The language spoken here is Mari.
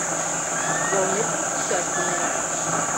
— Йылметым кучаш тунем.